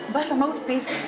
mbak sama uti